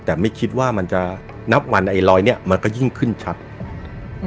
แต่ไม่คิดว่ามันจะนับวันไอ้รอยเนี้ยมันก็ยิ่งขึ้นชัดอืม